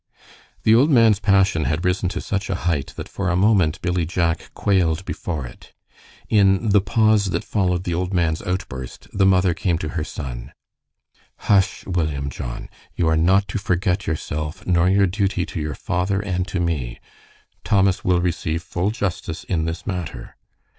The old man's passion had risen to such a height that for a moment Billy Jack quailed before it. In the pause that followed the old man's outburst the mother came to her son. "Hush, William John! You are not to forget yourself, nor your duty to your father and to me. Thomas will receive full justice in this matter."